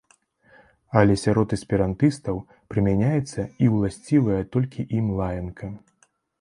Але сярод эсперантыстаў прымяняецца і уласцівая толькі ім лаянка.